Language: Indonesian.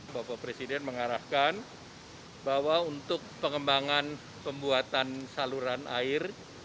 bapak presiden mengarahkan bahwa untuk pengembangan pembuatan saluran air